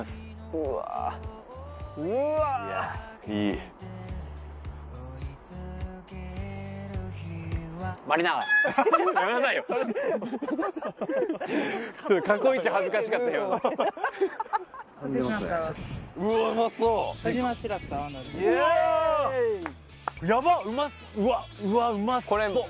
うわっうまそっ。